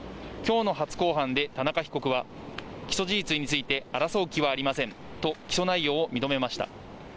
きょうの初公判で田中被告は、起訴事実について、争う気はありませんと起訴内容を認めました。